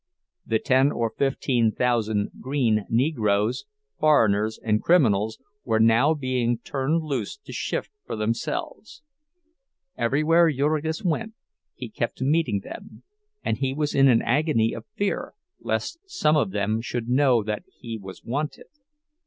The ten or fifteen thousand "green" Negroes, foreigners, and criminals were now being turned loose to shift for themselves. Everywhere Jurgis went he kept meeting them, and he was in an agony of fear lest some one of them should know that he was "wanted."